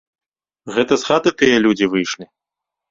Гэта з хаты тыя людзі выйшлі?